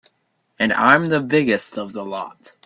And I'm the biggest of the lot.